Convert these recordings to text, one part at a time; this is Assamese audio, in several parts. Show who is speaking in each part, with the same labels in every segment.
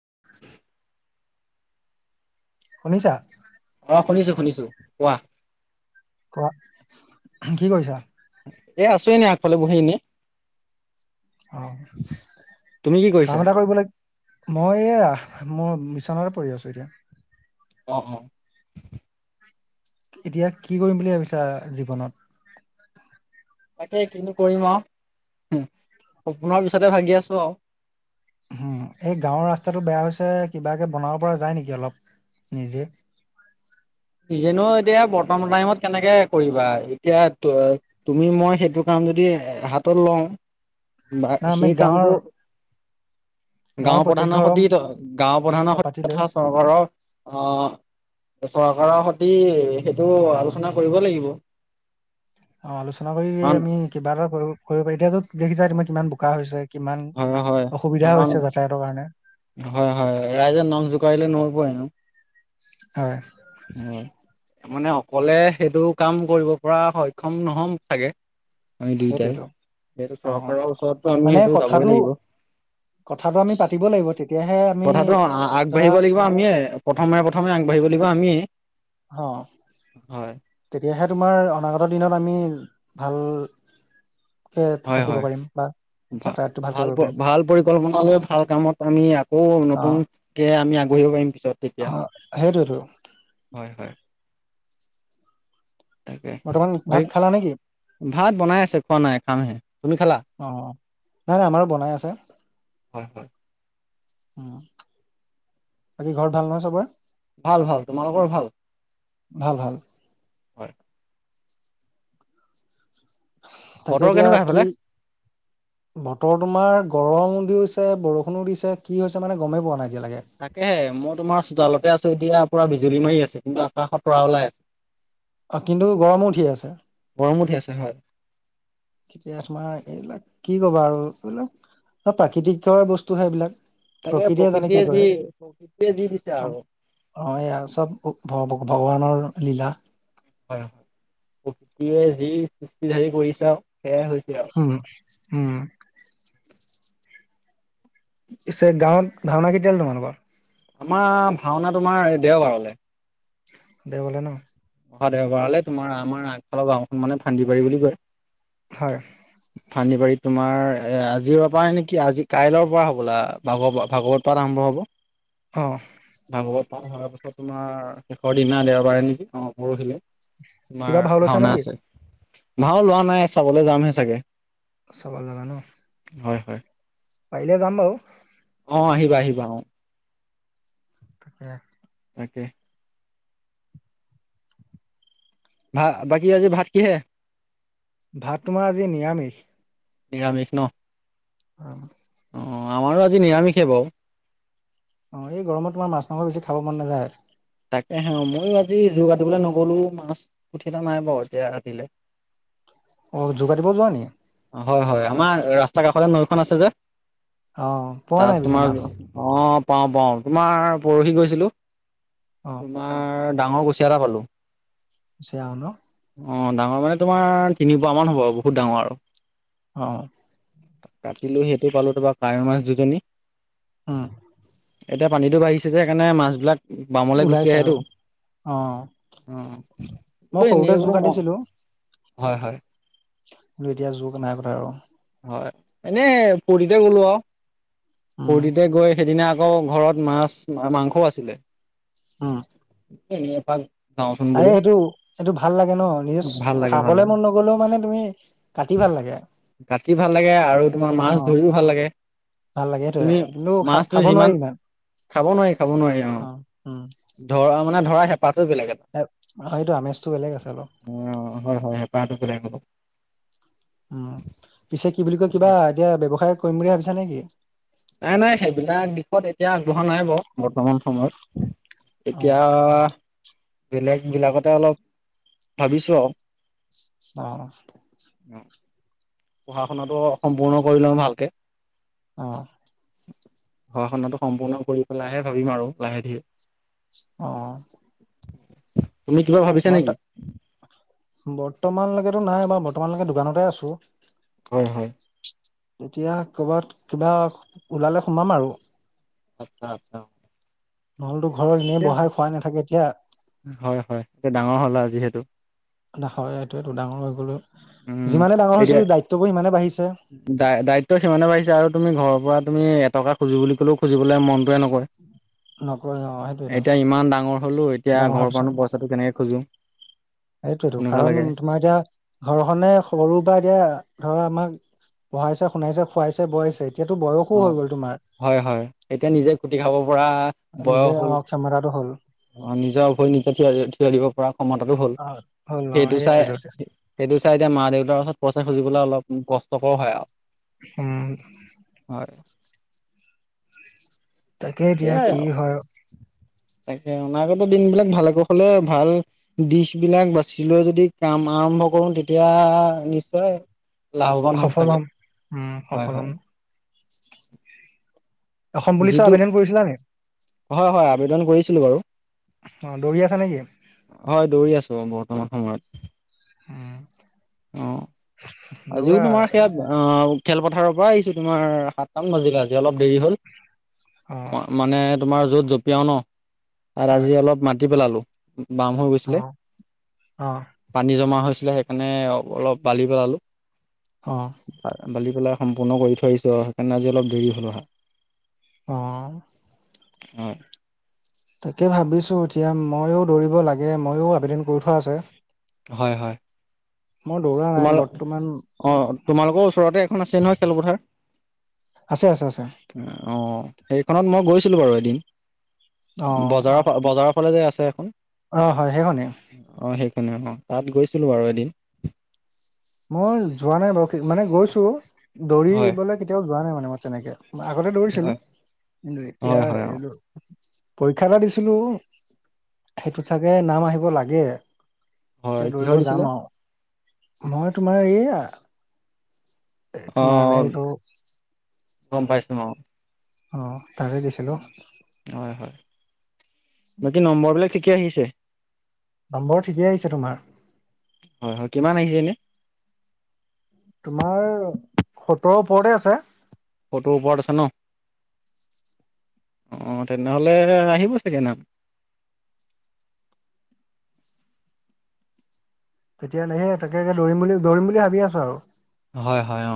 Speaker 1: [inaudible] শুনিছা?
Speaker 2: অ', শুনিছোঁ, শুনিছোঁ কোৱা।
Speaker 1: কোৱা, কি কৰিছা?
Speaker 2: এ আছো এনে আগফালে বহি এনে
Speaker 1: অ',
Speaker 2: কি কৰিছা?
Speaker 1: কাম এটা কৰিবলৈ মই এয়া মই মিছনৰে পঢ়ি আছোঁ এতিয়া।
Speaker 2: [unintelligible]
Speaker 1: এতিয়া কি কৰিম বুলি ভাবিছা জীৱনত?
Speaker 2: তাকেই কিনো কৰিম আৰু আপোনৰ পিছতে ভাগি আছোঁ আও।
Speaker 1: উম, এই গাঁওৰ ৰাস্তাটো বেয়া হৈছে কিবাকে বনাব পৰা যায় নেকি অলপ নিজে? [inaudible]
Speaker 2: নিজেনো এতিয়া বৰ্তমান টাইমত কেনেকে কৰিবা এতিয়া তুমি মই সেইটো কাম যদি দি হাতত লওঁ বা
Speaker 1: না আমি
Speaker 2: সেই
Speaker 1: গাঁৱৰ
Speaker 2: কামটো গাওঁ
Speaker 1: গাঁৱৰ প্ৰত্যেক
Speaker 2: প্ৰধানৰ
Speaker 1: ঘৰৰ
Speaker 2: সৈতে গাওঁ প্ৰধানৰ সৈ
Speaker 1: পাতি লৈ
Speaker 2: তথা চৰকাৰৰ অহ চৰকাৰৰ সতি সেইটো আলোচনা কৰিব লাগিব।
Speaker 1: অ', আলোচনা কৰি
Speaker 2: কাৰণ
Speaker 1: আমি কিবা এটা কৰিব কৰিব পাৰি এতিয়াটো দেখিছা তোমাৰ কিমান বোকা হৈছে। কিমান
Speaker 2: হয় হয়
Speaker 1: অসুবিধা
Speaker 2: কাৰণ
Speaker 1: হৈছে যাতায়তৰ কাৰণে?
Speaker 2: হয়, হয় ৰাইজে নাম জোকাৰিলে নৈ বৈ ন'।
Speaker 1: হয়।
Speaker 2: উম। মানে অকলে সেইটো কাম কৰিব পৰা সক্ষম ন'হম চাগে। আমি দুইটাই,
Speaker 1: সেইটোৱেতো
Speaker 2: সেটো
Speaker 1: অ
Speaker 2: চৰকাৰৰ ওচৰতটো আমি
Speaker 1: মানে
Speaker 2: সেইটো যাবই
Speaker 1: কথাটো
Speaker 2: লাগিব।
Speaker 1: কথাটো আমি পাতিব লাগিব তেতিয়াহে আমি
Speaker 2: কথাটো
Speaker 1: ধৰা
Speaker 2: আ-আগবাঢ়িব লাগিব আমিয়ে। প্ৰথমে প্ৰথমে আগবাঢ়িব লাগিব আমিয়ে।
Speaker 1: অ
Speaker 2: হয়
Speaker 1: তেতিয়াহে তোমাৰ অনাগত দিনত আমি ভাল কে
Speaker 2: হয়
Speaker 1: থাকিব
Speaker 2: হয়
Speaker 1: পাৰিম বা যাতায়াতটো ভালকে
Speaker 2: ভাল
Speaker 1: কৰিব পাৰিম
Speaker 2: ভাল পৰিকল্পনা লৈ ভাল কামত আমি আকৌ
Speaker 1: অ
Speaker 2: নতুনকে আমি আগ [unintelligible]
Speaker 1: অ সেইটোৱেতো বৰ্তমান ভাত খালা নেকি
Speaker 2: [unintelligible] ভাত বনাই আছে খোৱা নাই খামহে তুমি খালা
Speaker 1: অ নাই নাই আমাৰো বনাই আছে।
Speaker 2: হয়, হয়।
Speaker 1: উম, বাকী ঘৰত ভাল নহয় চবৰে?
Speaker 2: ভাল, ভাল, তোমালোকৰ ভাল?
Speaker 1: ভাল ভাল
Speaker 2: হয়।
Speaker 1: তাকে
Speaker 2: বতৰ
Speaker 1: এতিয়া
Speaker 2: কেনেকুৱা সেইফালে?
Speaker 1: কি বতৰ তোমাৰ গৰম হৈছে, বৰষুণো দিছে কি হৈছে মানে গমেই পোৱা নাই। এতিয়ালৈকে
Speaker 2: তাকেহে মই তোমাৰ চোতালতে আছ এতিয়া পুৰা বিজুলী মাৰি আছে কিন্তু আকাশত তৰা ওলাই আছে।
Speaker 1: অ', কিন্তু গৰমো উঠি আছে।
Speaker 2: গৰম উঠি আছে হয়।
Speaker 1: কেতিয়া তোমাৰ এইবিলাক কি ক'বা আৰু এইবিলাক প্ৰাকৃতিকৰ বস্তু সেইবিলাক।
Speaker 2: তাকে প্ৰকৃতিয়ে যি প্ৰকৃতিয়ে যি দিছে
Speaker 1: অ
Speaker 2: আৰু।
Speaker 1: অ', এইয়া চব ভগ-ভগৱানৰ লীলা।
Speaker 2: হয়, হয়, প্ৰকৃতিয়ে যি সৃষ্টিধাৰী কৰিছা আৰু সেয়াই হৈছে আৰু।
Speaker 1: উম উম। পিছে গাঁৱত ভাওনা কেতিয়াল তোমালোকৰ?
Speaker 2: আমাৰ ভাওনা তোমাৰ দেওবাৰলে।
Speaker 1: দেওবাৰলে ন'।
Speaker 2: অহা দেওবাৰলৈ তোমাৰ আমাৰ আগফালৰ গাঁওখন মানে ফান্দি পাৰি বুলি কয়।
Speaker 1: হয়।
Speaker 2: ফান্দিবাৰীত তোমাৰ এ আজিৰ পৰা নেকি আজি কাইলৰ পৰা হ'বলা ভাগৱ ভাগৱত পাঠ আৰম্ভ হ'ব।
Speaker 1: অহ।
Speaker 2: ভাগৱত হোৱাৰ পাছত তোমাৰ শেষৰ দিনা দেওবাৰে নেকি অ', পৰহিলে।
Speaker 1: কিবা
Speaker 2: তোমাৰ
Speaker 1: ভাও লৈছা
Speaker 2: ভাওনা
Speaker 1: নেকি?
Speaker 2: আছে ভাও লোৱা নাই চাবলৈ যাম হে চাগে।
Speaker 1: চাব লে যাবা ন'।
Speaker 2: হয়, হয়।
Speaker 1: পাৰিলে যাম বাৰু।
Speaker 2: অ', আহিবা, আহিবা অ'।
Speaker 1: তাকে।
Speaker 2: তাকে। ভা বাকী আজি ভাত কিহেৰে?
Speaker 1: ভাত তোমাৰ আজি নিৰামিষ।
Speaker 2: নিৰামিষ ন'।
Speaker 1: অ'।
Speaker 2: অ', আমাৰো আজি নিৰামিষে বাৰু।
Speaker 1: অ', এই গৰমত তোমাৰ মাছ মাংস বেছি খাব মন নাযায়।
Speaker 2: তাকে হে ময়ো আজি [unintelligible] কাতিবলৈ নগ'লো মাছ ‌ [unintelligible] নাই বাৰু এতিয়া ৰাতিলে।
Speaker 1: অ', যোগাটিব যোৱা নি?
Speaker 2: হয়, হয়, আমাৰ ৰাস্তাৰ কাষতে নৈখন আছে যে।
Speaker 1: অ', পোৱা নাই
Speaker 2: তাত
Speaker 1: পিছে
Speaker 2: তোমাৰ
Speaker 1: মাছ?
Speaker 2: অ'। পাওঁ, পাওঁ তোমাৰ পৰহি গৈছিলোঁ
Speaker 1: অ',
Speaker 2: তোমাৰ ডাঙৰ কুছিয়া এটা পালোঁ।
Speaker 1: কুছিয়া ন'।
Speaker 2: অ', ডাঙৰ মানে তোমাৰ তিনি পোৱা মান হ'ব বহুত ডাঙৰ আৰু।
Speaker 1: অ'।
Speaker 2: কাটিলো, সেইটোয়ে পালো তাৰপৰা কাৱৈ মাছ দুজনী
Speaker 1: উম।
Speaker 2: এতিয়া পানীটো বাঢ়িছে সেইকাৰণে মাছবিলাক বামলে গুচি
Speaker 1: ওলাইছে আৰু
Speaker 2: আহেটো।
Speaker 1: অ',
Speaker 2: উম।
Speaker 1: মই
Speaker 2: কিন্তু হে
Speaker 1: সৰুতে জু কাটিছিলো।
Speaker 2: হয়, হয়।
Speaker 1: কিন্তু এতিয়া যুক নাই কতা আৰু
Speaker 2: হয়, এনেই ফূৰ্তিতে গ'লো আৰু
Speaker 1: উম,
Speaker 2: ফুৰ্তিতে গৈ সেইদিনা আকৌ ঘৰত মাছ, মাংসও আছিলে।
Speaker 1: উম,
Speaker 2: এনেই এপাক যাওঁচোন
Speaker 1: আৰে
Speaker 2: বোলো
Speaker 1: সেইটো, সেইটো ভাল লাগে ন।
Speaker 2: ভাল
Speaker 1: নিজে
Speaker 2: লাগে ভাল
Speaker 1: খাবলে
Speaker 2: লাগে
Speaker 1: মন নগ'লেও মানে তুমি কাটি টি ভাল লাগে।
Speaker 2: কাটি ভাল লাগে আৰু তোমাৰ মাছ
Speaker 1: অ'।
Speaker 2: ধৰিও ভাল লাগে।
Speaker 1: ভাল লাগে সেতোৱে,
Speaker 2: তুমি
Speaker 1: কিন্তু খা
Speaker 2: মাছ তুমি
Speaker 1: খাব
Speaker 2: যিমান
Speaker 1: নোৱাৰি ইমান।
Speaker 2: খাব নোৱাৰি, খাব নোৱাৰি, অ', ধৰ মানে ধৰা হে পাহতো বেলেগ এটা। অ',
Speaker 1: এ সেইটো আমেজটো বেলেগ আছে অলপ
Speaker 2: হয়, হয়, হেঁপাহতো বেলেগ হ'ব।
Speaker 1: উম, পিছে কি বুলি কয়, কিবা
Speaker 2: তাকে
Speaker 1: এতিয়া ব্যৱসায় কৰিম বুলি ভাবিছা নেকি?
Speaker 2: নাই, নাই, সেইবিলাক দিশত এতিয়া আগবঢ়া নাই বাৰু, বৰ্তমান সময়ত।
Speaker 1: অ
Speaker 2: এতিয়া বেলেগ বিলাকতে অলপ ভাবিছো আৰু
Speaker 1: অ'।
Speaker 2: পঢ়া শুনাটো সম্পূৰ্ণ কৰিলোঁ ভালকে।
Speaker 1: অ'।
Speaker 2: পঢ়া-শুনাটো সম্পূৰ্ণ কৰি পেলাইহে ভাবিম আৰু লাহে ধীৰে।
Speaker 1: অ'।
Speaker 2: তুমি কিবা ভাবিছা নেকি?
Speaker 1: বৰ্তমানলৈকেটো নাই বাৰু বৰ্তমানলৈকে দোকানতে আছোঁ।
Speaker 2: হয়, হয়।
Speaker 1: তেতিয়া ক'ৰবাত কিবা ওলালে সোমাম আৰু।
Speaker 2: আচ্ছা, আচ্ছা।
Speaker 1: নহ'লেতো ঘৰৰ এনেই
Speaker 2: এতিয়া
Speaker 1: বহাই খোৱাই নাথাকে এতিয়া
Speaker 2: হয়, হয় এয়া ডাঙৰ হ'ল আৰু যিহেতু।
Speaker 1: হয়, এইটো এইটো ডাঙৰ হৈ গ'লো যিমানে ডাঙৰ হৈছো দায়িত্ববোৰ সিমানেই বাঢ়িছে।
Speaker 2: দা-দায়িত্ব সিমানে বাঢ়িছে আৰু তুমি ঘৰৰ পৰা তুমি এটকা খুজি বুলি ক'লেও খুজিবলৈ মন [unintelligible]
Speaker 1: নকয় অ সেইটোৱেতো
Speaker 2: এতিয়া ইমান ডাঙৰ হ'লো এতিয়া
Speaker 1: ডাঙৰ
Speaker 2: ঘৰৰ পৰানো পইচাটো কেনেকে খোজো।
Speaker 1: সেইটোৱেটো কাৰণ তোমাৰ এতিয়া ঘৰখনে সৰু বা এতিয়া ধৰা আমাক পঢ়াইছে, শুনাইছে, খোৱাইছে, বোৱাইছে, এতিয়াটো বয়সো হৈ
Speaker 2: অ'।
Speaker 1: গ'ল তোমাৰ।
Speaker 2: হয়, হয়, এতিয়া নিজে খুঁটি খাব পৰা বয়স
Speaker 1: নিজে অ
Speaker 2: হ'ল।
Speaker 1: ক্ষমতাটো হ'ল।
Speaker 2: অ', নিজৰ ভৰি নিজে থিয় থিয় দিব পৰা ক্ষমতাটো হ'ল।
Speaker 1: অ হ'ল অ
Speaker 2: সেইটো চাই,
Speaker 1: সেইটোৱেতো
Speaker 2: সেইটো চাই এতিয়া মা-দেউতাৰ ওচৰত পইচা খুজিবলৈ অলপ কষ্টকৰ হয় আৰু।
Speaker 1: উম।
Speaker 2: হয়।
Speaker 1: তাকে এতিয়া
Speaker 2: সেয়াই
Speaker 1: কি
Speaker 2: আৰু
Speaker 1: হয়।
Speaker 2: তাকে অনাগত দিনবিলাক ভালকৈ কুশলে ভাল দিশবিলাক বাচি লৈ যদি কাম আ আৰম্ভ কৰোঁ তেতিয়া নিশ্চয় লাভৱান হম চাগে,
Speaker 1: উম
Speaker 2: হয়,
Speaker 1: সফল হম
Speaker 2: হয়।
Speaker 1: অসম পুলিচৰ
Speaker 2: যিটো
Speaker 1: আবেদন কৰিছিলা নি?
Speaker 2: হয়, হয়, আবেদন কৰিছিলোঁ বাৰু,
Speaker 1: অ দৌৰি আছা নেকি?
Speaker 2: হয় দৌৰি আছোঁ মই বহুত। সময়ত সময়ত।
Speaker 1: হম।
Speaker 2: অ', আজিও তোমাৰ সেয়া, অহ খেলপথাৰৰ পৰা আহিছোঁ তোমাৰ সাতটামান বজিল আজি অলপ দেৰি হ'ল
Speaker 1: অ
Speaker 2: মা-মানে তোমাৰ য'ত জঁপিয়াও ন' আৰু
Speaker 1: হয়
Speaker 2: আজি অলপ মাতি পেলালোঁ। বাম হৈ
Speaker 1: অ
Speaker 2: গৈছিলে,
Speaker 1: অ
Speaker 2: পানী জমা হৈছিলে সেইকাৰণে অলপ বালি পেলালোঁ।
Speaker 1: অ
Speaker 2: অ', বালি পেলা সম্পূৰ্ণ কৰি থৈছোঁ আৰু সেইকাৰণে আজি অলপ দেৰি হ'ল অহা।
Speaker 1: অ'।
Speaker 2: হয়।
Speaker 1: তাকে ভাবিছো এতিয়া ময়ো দৌৰিব লাগে, ময়ো আবেদন কৰি থোৱা আছে।
Speaker 2: হয়, হয়।
Speaker 1: মই দৌৰা নাই,
Speaker 2: তোমাল
Speaker 1: বৰ্তমান
Speaker 2: অ তোমালোকৰ ওচৰতে এখন আছে নহয় খেলপথাৰ
Speaker 1: আছে আছে আছে
Speaker 2: অ'। সেইখনত মই গৈছিলোঁ বাৰু এদিন
Speaker 1: অ
Speaker 2: বজাৰৰ বজাৰৰ ফালে যে আছে এখন।
Speaker 1: অ', হয় সেইখনেই।
Speaker 2: হয়নে অ', তাত গৈছিলোঁ বাৰু এদিন।
Speaker 1: মই যোৱা নাই বাৰু মানে গৈছো
Speaker 2: হয়
Speaker 1: দৌৰিবলৈ কেতিয়াও যোৱা নাই মানে মই তেনেকে। আগতে দৌৰিছিলোঁ
Speaker 2: হয়
Speaker 1: কিন্তু এতিয়া
Speaker 2: হয় হয় অ
Speaker 1: এৰিলো। পৰীক্ষা এটা দিছিলোঁ সেইটোত চাগে নাম আহিব লাগে।
Speaker 2: হয়
Speaker 1: এতিয়া
Speaker 2: কিহৰ
Speaker 1: দৌৰিব
Speaker 2: দিছিলে
Speaker 1: যাম আৰু। মই তোমাৰ এইয়া এ
Speaker 2: অ
Speaker 1: তোমাৰ [unintelligible]
Speaker 2: গম পাইছো অ
Speaker 1: অ', তাৰে দিছিলোঁ।
Speaker 2: হয় হয় বাকী নম্বৰবিলাক ঠিকে আহিছে?
Speaker 1: নম্বৰ ঠিকেই আহিছে তোমাৰ।
Speaker 2: হয়, হয়, কিমান আহিছে এনে?
Speaker 1: তোমাৰ সত্তৰৰ ওপৰতে আছে।
Speaker 2: ফটো ওপৰত আছে ন অ তেনেহ'লে আহিব চাগে নাম
Speaker 1: [unintelligible] তেতিয়া নেহে তাকে একে দৌৰিম বুলি দৌৰিম বুলি ভাবি আছো আৰু
Speaker 2: হয় হয় অ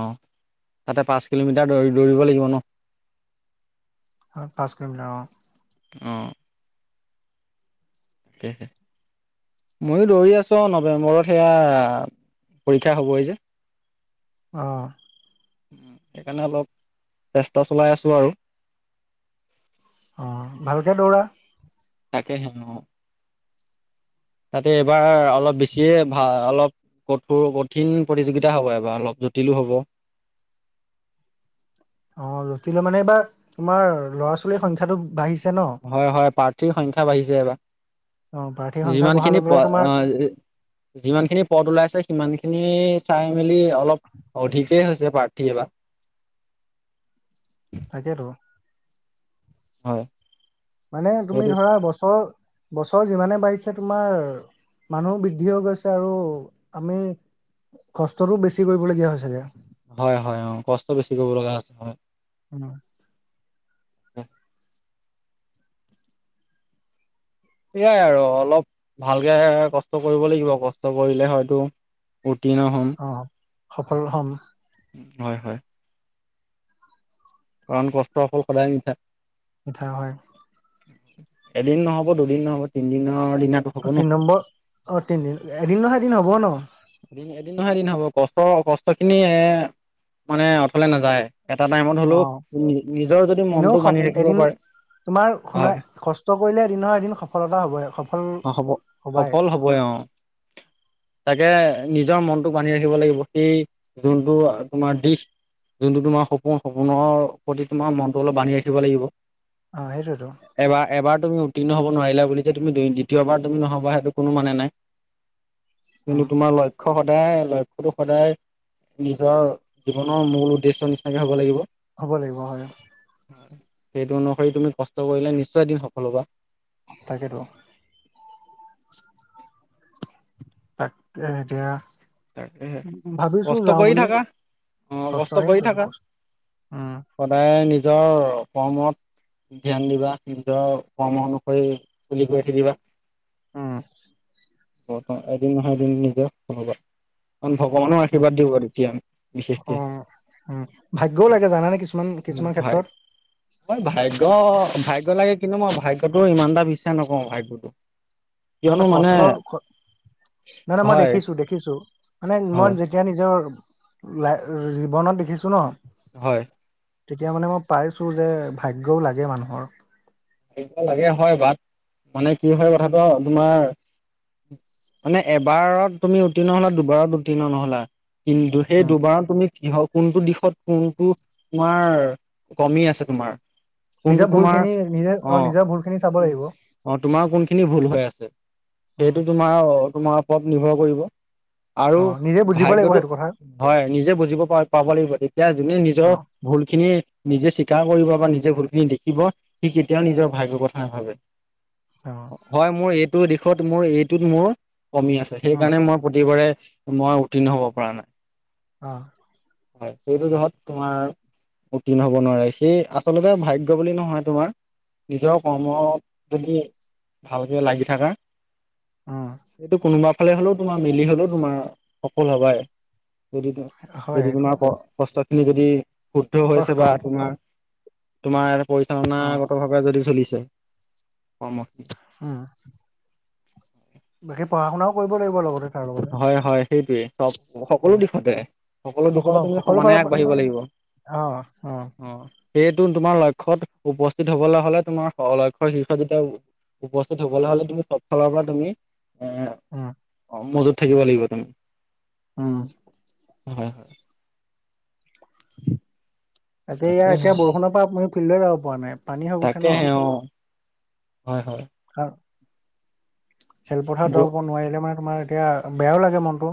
Speaker 2: তাতে পাঁচ কিলোমিটাৰ দৌ দৌৰিব লাগিব ন
Speaker 1: হয় পাঁচ কিলোমিটাৰ অ
Speaker 2: আহঁ [unintelligible] ময়ো দৌৰি আছো অ নৱেম্বৰত সেয়া পৰীক্ষা হ'বহ যে
Speaker 1: আহ
Speaker 2: সেইকাৰণে অলপ চেষ্টা চলাই আছোঁ আৰু
Speaker 1: অ ভালকে দৌৰা
Speaker 2: তাকে হে তাতে এইবাৰ অলপ বেছিয়ে ভাল অলপ কঠোৰ কঠিন প্ৰতিযোগিতা হ'ব এবাৰ অলপ জটিলো হ'ব
Speaker 1: [unintelligible] অ জটিল মানে এইবাৰ তোমাৰ লৰা ছোৱালীৰ সংখ্যাটো বাঢ়িছে। ন
Speaker 2: হয় হয় প্ৰাৰ্থীৰ সংখ্যয়া বাঢ়িছে
Speaker 1: অ প্ৰাৰ্থীৰ
Speaker 2: এইবাৰ
Speaker 1: সংখ্যা বঢ়াৰ
Speaker 2: যিমানখিনি
Speaker 1: লগে
Speaker 2: প
Speaker 1: লগে তোমাৰ
Speaker 2: অ যিমান খিনি পথ ওলাই আছে সিমান খিনি খিনি চাই মেলি অলপ অধিকেই হৈছে প্ৰাৰ্থীয়ে বা
Speaker 1: তাকেতো
Speaker 2: হয়
Speaker 1: মানে তুমি
Speaker 2: সেইটো
Speaker 1: ধৰা বছৰ বছৰ যিমানে বাঢ়িছে, তোমাৰ মানুহ বৃদ্ধি হৈ গৈছে আৰু আমি কষ্টটো বেছি কৰিবলগীয়া হৈছেগে।
Speaker 2: হয়, হয়, অ', কষ্ট বেছি কৰিব লগা আছে, হয়।
Speaker 1: ধন্যবাদ।
Speaker 2: [unintelligible] সেয়াই আৰু অলপ ভালকে কষ্ট কৰিব লাগিব কষ্ট কৰিলে হয়তো উত্তীৰ্ণ হ'ম
Speaker 1: অ', সফল হম।
Speaker 2: হয়, হয়। কাৰণ কষ্টৰ ফল সদায় মিঠা।
Speaker 1: মিঠা হয়।
Speaker 2: এদিন নহ'ব, দুদিন নহ'ব, তিনদিন নহ
Speaker 1: অ', তিনি নম্বৰ অ', তিনিদিন এদিন নহয় এদিন হ'ব ন'।
Speaker 2: এদিন এদিন নহয় এদিন হ'ব, কষ্ট কষ্ট খিনি এ মানে অথলে নাযায়। এটা টাইমত হ'লেও
Speaker 1: অ
Speaker 2: নিজৰ যদি
Speaker 1: এনেও
Speaker 2: মনটো
Speaker 1: স
Speaker 2: বান্ধি ৰাখিব
Speaker 1: এদিন
Speaker 2: পাৰে।
Speaker 1: তোমাৰ
Speaker 2: হয়
Speaker 1: শুনাই কষ্ট কৰিলে দিন এদিন সফলতা হ'ব, সফল
Speaker 2: অ হ'ব
Speaker 1: হ'বাই।
Speaker 2: সফল অ'।
Speaker 1: [inaudible]
Speaker 2: এ নিজৰ মনটো বান্ধি ৰাখিব লাগিব সেই যোনটো তোমাৰ দিশ। যোনটো তোমাৰ সপোন সপোনৰ প্ৰতি তোমাৰ মনটো অলপ বান্ধি ৰাখিব লাগিব।
Speaker 1: অ সেইটোয়েতো
Speaker 2: এবাৰ, এবাৰ তুমি উ উত্তীৰ্ণ হ'ব নোৱাৰিলা বুলি যে তুমি দি-দ্বিতীয়বাৰ তুমি নহ'বা সেইটো কোনো মানে নাই। কিন্তু
Speaker 1: উম
Speaker 2: তোমাৰ লক্ষ্য হ সদায় লক্ষ্যটো সদায় নিজৰ জীৱনৰ মূল উদ্দেশ্য নিচিনাকে হ'ব লাগিব।
Speaker 1: হ'ব লাগিব হয়।
Speaker 2: হয়, সেইটো অনুসৰি তুমি কষ্ট কৰিলে নিশ্চয় দিম সফল হ'বা।
Speaker 1: তাকেটো। তাক এ এতিয়া
Speaker 2: তাকেহে
Speaker 1: ভাবিছো
Speaker 2: কষ্ট
Speaker 1: যাওঁ
Speaker 2: কৰি
Speaker 1: বুলি
Speaker 2: থাকা, অ', কষ্ট কৰি থাকা।
Speaker 1: উম,
Speaker 2: সদায় নিজৰ কৰ্মত ধ্যান দিবা, নিজৰ কৰ্ম অনুসৰি খুলি কৰি থাকিবা।
Speaker 1: উম।
Speaker 2: অ', অ', এদিন নহয় এদিন নিজে হ'বা। অকল ভগৱানৰ
Speaker 1: উম,
Speaker 2: আশীৰ্বাদ দিওঁ আৰু তেতিয়া বিশেষকে।
Speaker 1: অ', উম, ভাগ্যও লাগে জানা নে কিছ
Speaker 2: হম, হয়, হয়, ভাগ্য ভাগ্য লাগে কিন্তু মই ভাগ্যটো ইমানটা বিশ্বা চা নকওঁ ভাগ্যটো, কিয়নো মানে
Speaker 1: নাই, নাই, মই
Speaker 2: হয়
Speaker 1: দেখিছোঁ, দেখিছোঁ মানে মই
Speaker 2: হয়
Speaker 1: যেতিয়া নিজৰ লা জীৱনত দেখিছোঁ ন'।
Speaker 2: হয়।
Speaker 1: তেতিয়া মানে মই পাইছোঁ যে ভাগ্যও লাগে মানুহৰ।
Speaker 2: ভাগ্য লাগে হয়, বাত মানে কি হয় কথাটো তোমাৰ মানে এবাৰত তুমি উত্তীৰ্ণ হ'লা, দুবাৰত উত্তীৰ্ণ নহ'লা। কিন্তু সেই
Speaker 1: উম,
Speaker 2: দুবাৰত তুমি কিহৰ কোনটো দিশত কোনটো তোমাৰ কমি আছে তোমাৰ? কোনটো
Speaker 1: নিজৰ ভুল
Speaker 2: তোমাৰ
Speaker 1: খিনি নিজে অ', নিজৰ ভুল খিনি চাব লাগিব।
Speaker 2: খিনি ভুল হৈ আছে
Speaker 1: উম,
Speaker 2: সেইটো তোমাৰ, তোমাৰ ওপৰত নিৰ্ভৰ কৰিব। আৰু
Speaker 1: অ', নিজে বুজিব লাগিব
Speaker 2: ভাগ্যটো
Speaker 1: সেইটো কথা
Speaker 2: হয় নিজে বুজিব পা-পাব লাগিব তেতিয়া যোনে নিজৰ বহু
Speaker 1: অ',
Speaker 2: ভুলখিনি নিজে স্বীকাৰ কৰিব, বা নিজে ভুলখিনি দেখিব, সি কেতিয়াও নিজৰ ভাগ্য কথা নাভাবে।
Speaker 1: অ',
Speaker 2: হয়, মোৰ এইটো দিশত, মোৰ এইটোত মোৰ কমি আছে,
Speaker 1: উম,
Speaker 2: সেইকাৰণে মই প্ৰতিবাৰে মই উত্তীৰ্ণ হ'ব পৰা নাই।
Speaker 1: অ'।
Speaker 2: হয়, সেইটো জহত তোমাৰ উত্তীৰ্ণ হব নোৱাৰে সেই আচলতে ভাগ্য বুলি নহয় তোমাৰ নিজৰ কৰ্মত যদি ভালকে লাগি থাকা।
Speaker 1: উম,
Speaker 2: ফেল হ'লেও তোমাৰ মিলি হ'লেও তোমাৰ সফল হবাই।
Speaker 1: হয়
Speaker 2: যদি-যদি
Speaker 1: সেইটো
Speaker 2: তোমাৰ ক কষ্ট খিনি যদি শুদ্ধ হৈছে
Speaker 1: কষ্ট
Speaker 2: বা অপোনাৰ, তোমাৰ
Speaker 1: অ',
Speaker 2: পৰিচালনাৰ সুধি চলিছে। কৰ্ম
Speaker 1: হম। বাকী পঢ়া শুনাও কৰিব লাগিব লগতে। তাৰ লগতে
Speaker 2: হয়-হয় সেইটোৱে চব সকলো
Speaker 1: উম,
Speaker 2: দিশতে সকলো দিশতে তুমি সমানে আগবাঢ়িব লাগিব।
Speaker 1: অ-অ,
Speaker 2: অ সেইটো তোমাৰ লক্ষ্যয়ত উপস্থিত হবলৈ হলে তোমাৰ লক্ষ্যয়ৰ শীৰ্ষ যেতিয়া উপস্থিত হবলৈ হলে তুমি চব ফালৰ পৰা তুমি এ
Speaker 1: উম,
Speaker 2: মজুত থাকিব লাগিব তুমি।
Speaker 1: উম,
Speaker 2: হয়-হয়। তাকে
Speaker 1: এতিয়া-এতিয়া বৰষুণৰ পৰা মই ফিল্ডলে যাওঁ।
Speaker 2: তাকেহে অ' হয়-হয়।
Speaker 1: হ খেলপথাৰ দৰিব নোৱাৰিলে মানে তোমাৰ এতিয়া বেয়াও লাগে মনটো।